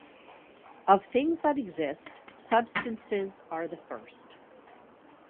Of things that exist, substances are the first.